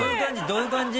どういう感じ？